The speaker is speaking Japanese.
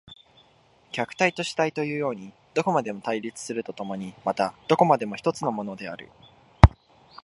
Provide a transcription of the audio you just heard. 客体と主体というようにどこまでも対立すると共にまたどこまでも一つのものである。